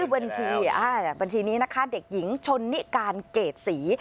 บัญชีแบบนี้นะคะเด็กหญิงชนนิกันเกรดสี